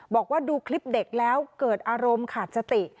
บอกว่าดูคลิปเด็กแล้วเกิดอารมณ์ขาดสติ